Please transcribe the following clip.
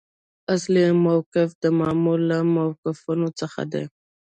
اصلي موقف د مامور له موقفونو څخه دی.